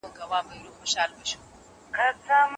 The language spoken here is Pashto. د ګشنیزو خوړل د وینې فشار کنټرولوي.